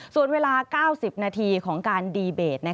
ส่วนเวลา๙๐นาทีของการดีเบต